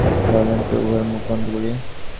বলেন তো উহার মুখ বন্ধ করি।